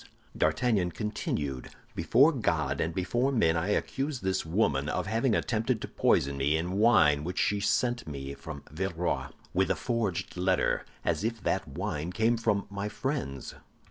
D'Artagnan continued: "Before God and before men, I accuse this woman of having attempted to poison me, in wine which she sent me from Villeroy, with a forged letter, as if that wine came from my friends.